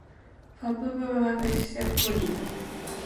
fvuufvfdivtrfvjrkvtrvuifri